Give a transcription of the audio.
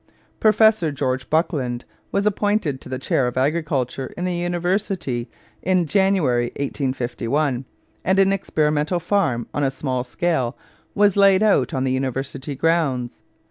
Professor George Buckland was appointed to the chair of agriculture in the university in January 1851 and an experimental farm on a small scale was laid out on the university grounds.